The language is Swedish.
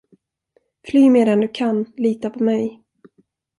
Fly medan du kan, lita på mig.